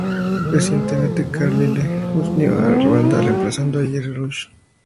Recientemente, Carlile se unió a la banda, reemplazando a Jerry Roush.